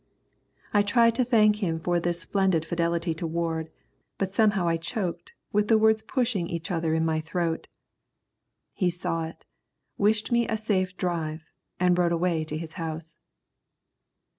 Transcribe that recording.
I tried to thank him for this splendid fidelity to Ward, but somehow I choked with the words pushing each other in my throat. He saw it, wished me a safe drive, and rode away to his house.